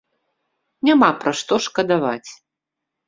Няма пра што шкадаваць.